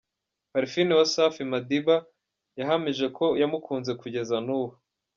Parfine wa Safi Madiba yahamije ko yamukunze kugeza n’ubu.